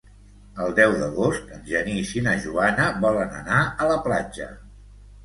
El deu d'agost en Genís i na Joana volen anar a la platja.